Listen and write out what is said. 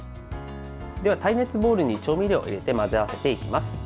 では耐熱ボウルに調味料を入れて混ぜ合わせていきます。